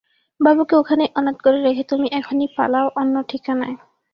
বাবুকে ওইখানেই অনাথ করে রেখে তুমি এখনই পালাও অন্য ঠিকানায়।